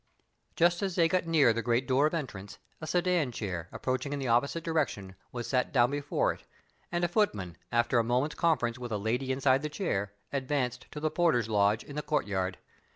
Just as they got near the great door of entrance, a sedan chair, approaching in the opposite direction, was set down before it; and a footman, after a moment's conference with a lady inside the chair, advanced to the porter's lodge in the courtyard.